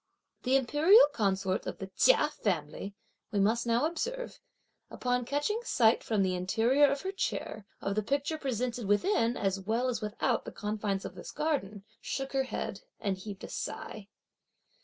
The imperial consort of the Chia family, we must now observe, upon catching sight, from the interior of her chair, of the picture presented within as well as without the confines of this garden, shook her head and heaved a sigh.